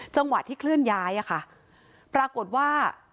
จังหวะที่เคลื่อนย้ายอะค่ะปรากฏว่า